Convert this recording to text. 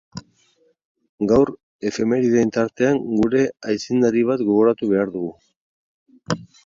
Gaur efemeridearen tartean, gure aitzindari bat gogoratu behar dugu.